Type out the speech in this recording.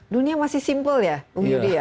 dunia masih simple ya yudi